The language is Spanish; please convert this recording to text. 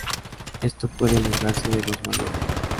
Esto puede lograrse de dos maneras.